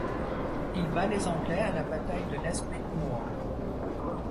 Il bat les Anglais à la bataille de Nesbit Moor.